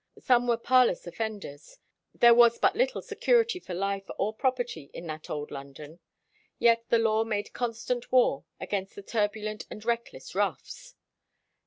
Some were parlous offenders. There was but little security for life or property in that old London, yet the law made constant war against the turbulent and reckless roughs.